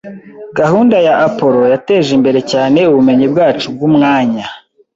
Gahunda ya Apollo yateje imbere cyane ubumenyi bwacu bwumwanya.